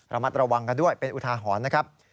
ระมัดระวังกันด้วยเป็นอุทาหรณ์นะครับ